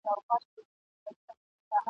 پر دې سیمه نوبهاره چي رانه سې ..